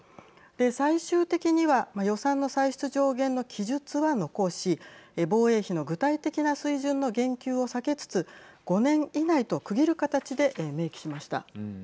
最終的には予算の歳出上限の記述は残し防衛費の具体的な水準の言及を避けつつ５年以内と区切る形で明記しました。